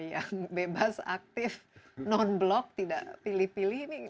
yang bebas aktif non blok tidak pilih pilih